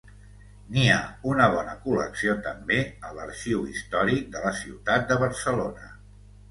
N'hi ha una bona col·lecció també a l'Arxiu Històric de la Ciutat de Barcelona.